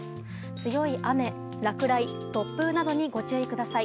強い雨、落雷、突風などにご注意ください。